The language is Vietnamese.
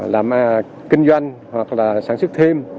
làm kinh doanh hoặc là sản xuất thêm